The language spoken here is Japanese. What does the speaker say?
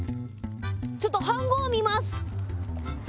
ちょっと飯ごうを見ます。